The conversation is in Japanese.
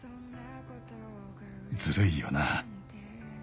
「ずるいよな」